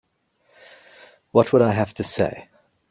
What would I have to say?